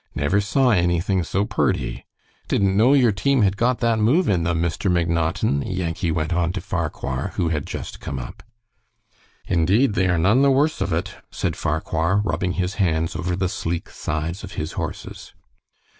Never saw anything so purty. Didn't know your team had got that move in them, Mr. McNaughton," Yankee went on to Farquhar, who had just come up. "Indeed, they are none the worse of it," said Farquhar, rubbing his hands over the sleek sides of his horses.